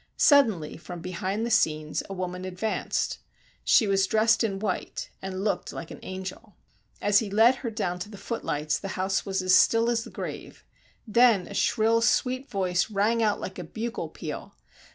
Suddenly from behind the scenes a woman advanced. She was dressed in white and looked like an angel. As he led her down to the footlights the house was as still as the grave; then a shrill, sweet voice rang out like a bugle peal.